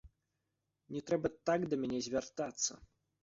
Не трэба так да мяне звяртацца.